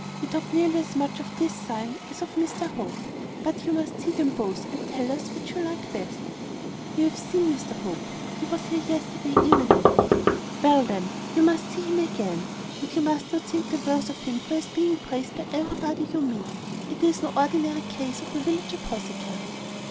We talk nearly as much of this sign as of Mr Hope; but you must see them both, and tell us which you like best." "We have seen Mr Hope. He was here yesterday evening." "Well, then, you must see him again; and you must not think the worse of him for his being praised by everybody you meet. It is no ordinary case of a village apothecary."